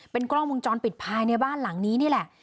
กล้องวงจรปิดภายในบ้านหลังนี้นี่แหละ